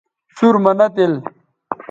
سُور مہ نہ تِل